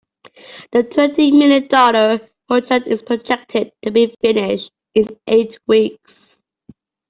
The twenty million dollar project is projected to be finished in eight weeks.